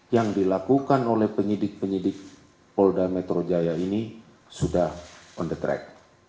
yang dilakukan oleh penyidik penyidik polda metro jaya ini sudah on the track